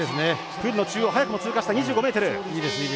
プールの中央、早くも通過した２５ｍ。